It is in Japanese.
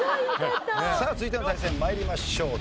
さあ続いての対戦参りましょう。